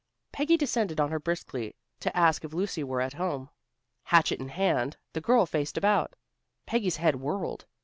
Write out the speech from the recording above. Peggy descended on her briskly to ask if Lucy were at home. Hatchet in hand, the girl faced about. Peggy's head whirled.